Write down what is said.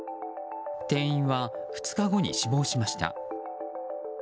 店員は、２日後に死亡しました。